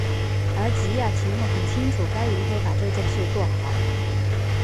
而吉亚奇诺很清楚该如何把这件事做好。